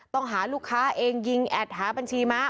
หาลูกค้าเองยิงแอดหาบัญชีม้า